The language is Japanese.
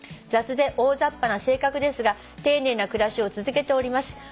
「雑で大ざっぱな性格ですが丁寧な暮らしを続けております」